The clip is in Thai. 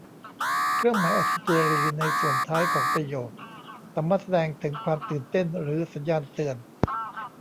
เครื่องหมายอัศเจรีย์ในส่วนท้ายของประโยคสามารถแสดงถึงความตื่นเต้น หรือสัญญาณเตือน